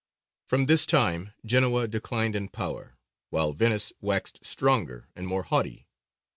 From this time Genoa declined in power, while Venice waxed stronger and more haughty.